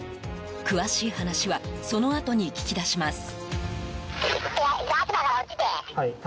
詳しい話はそのあとに聞き出します。